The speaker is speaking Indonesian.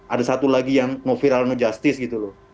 ada satu lagi yang mau viral ngejustice gitu loh